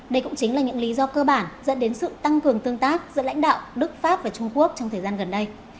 đây cũng chính là những lý do cơ bản dẫn đến sự tăng cường tương tác giữa lãnh đạo đức pháp và trung quốc trong thời gian gần đây